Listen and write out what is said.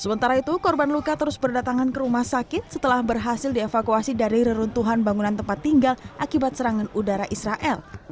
sementara itu korban luka terus berdatangan ke rumah sakit setelah berhasil dievakuasi dari reruntuhan bangunan tempat tinggal akibat serangan udara israel